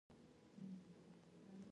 دويم د اوبو کم استعمال دی